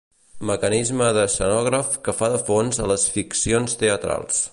Mecanisme d'escenògraf que fa de fons a les ficcions teatrals.